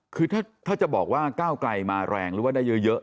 คือถ้าจะบอกว่าก้าวไกลมาแรงหรือว่าได้เยอะ